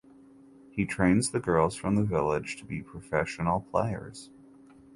He trains the girls from the village to be professional players.